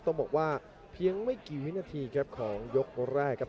ต้องบอกว่าเพียงไม่กี่วินาทีครับของยกแรกครับ